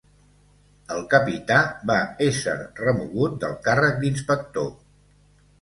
El capità va ésser remogut del càrrec d'inspector.